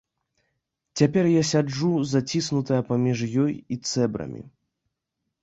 Цяпер я сяджу, заціснутая паміж ёй і цэбрамі.